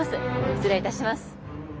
失礼いたします。